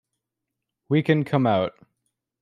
We can come out.